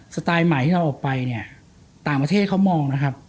สไตล์ใหม่ที่เราออกไปเนี่ยต่างประเทศเขามองนะครับ